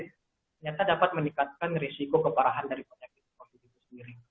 ternyata dapat meningkatkan risiko keparahan dari penyakit covid itu sendiri